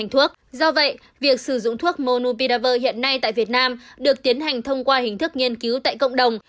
tỷ lệ việc sử dụng thuốc monopidavir hiện nay tại việt nam được tiến hành thông qua hình thức nghiên cứu tại cộng đồng